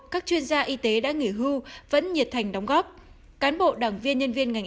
các chuyên gia y tế đã nghỉ hưu vẫn nhiệt thành đóng góp cán bộ đảng viên nhân viên ngành